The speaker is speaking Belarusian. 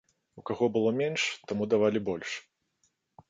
У каго было менш, таму давалі больш.